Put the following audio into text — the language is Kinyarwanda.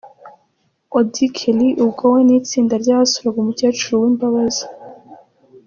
Auddy Kelly ubwo we n'itsinda rye basuraga umukecuru Uwimbabazi.